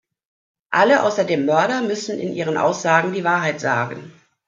Alle außer dem Mörder müssen in ihren Aussagen die Wahrheit sagen.